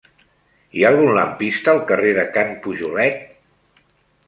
Hi ha algun lampista al carrer de Can Pujolet?